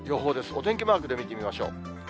お天気マークで見てみましょう。